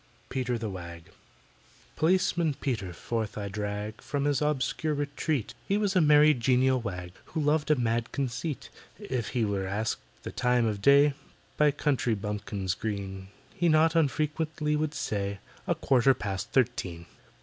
PETER THE WAG POLICEMAN PETER forth I drag From his obscure retreat: He was a merry genial wag, Who loved a mad conceit. If he were asked the time of day, By country bumpkins green, He not unfrequently would say, "A quarter past thirteen."